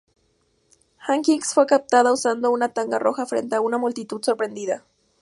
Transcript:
Hawkins fue captada usando una tanga roja frente a una multitud sorprendida.